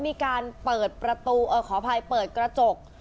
มีการเปิดประตูเออขออภัยเปิดกระจก